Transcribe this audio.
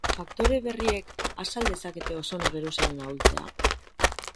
Faktore berriek azal dezakete ozono geruzaren ahultzea?